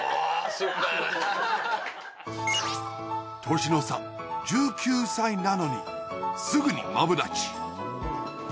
年の差１９歳なのにすぐにマブダチ！